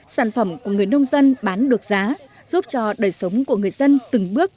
sản phẩm của người nông dân bán được giá giúp cho đời sống của người dân từng bước